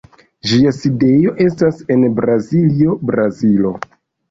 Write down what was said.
Ĝia sidejo estas en Braziljo, Brazilo.